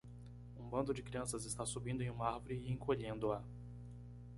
Um bando de crianças está subindo em uma árvore e encolhendo-a.